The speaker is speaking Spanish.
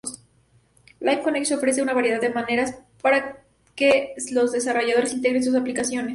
Live Connect ofrece una variedad de maneras para que los desarrolladores integren sus aplicaciones.